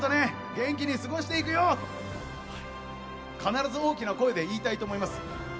元気に過ごしてるよ！と必ず大きな声で言いたいと思います。